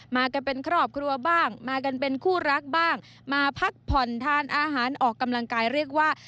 มากันเป็นครอบครัวบ้างมากันเป็นคู่รักบ้างมาพักผ่อนทานอาหารออกกำลังกายเรียกว่า